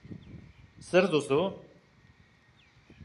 Zer duzu?